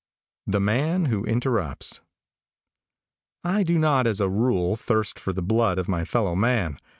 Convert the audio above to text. THE MAN WHO INTERRUPTS. |I DO not, as a rule, thirst for the blood of my fellow man.